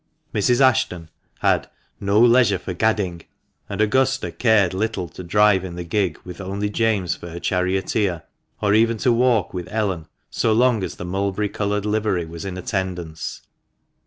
Mrs. Ashton had "no leisure for gadding," and Augusta cared little to drive in the gig with only James for her charioteer, or even to walk with Ellen, so long as the mulberry coloured livery was in attendance.